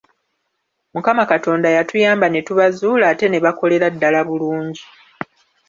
Mukama Katonda yatuyamba ne tubazuula ate ne bakolera ddala bulungi.